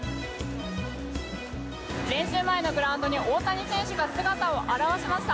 練習前のグラウンドに大谷選手が姿を現しました。